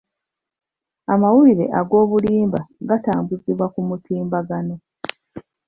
Amawulire ag'obulimba gatambuzibwa ku mutimbagano.